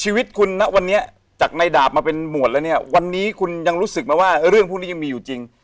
ชีวิตคุณนะวันนี้จากในดาบมาเป็นหมวดแล้วเนี่ยวันนี้คุณยังรู้สึกไหมว่าเรื่องพวกนี้ยังมีอยู่จริง